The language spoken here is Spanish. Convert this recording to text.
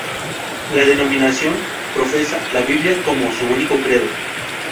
La denominación profesa la Biblia como su único credo.